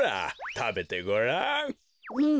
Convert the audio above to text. たべてごらん。